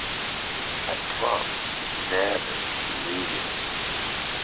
I have promised never to leave ye.